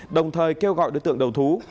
đồng thời kêu gọi đối tượng đầu thú